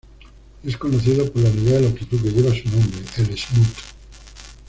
Es conocido por la unidad de longitud que lleva su nombre, el "smoot".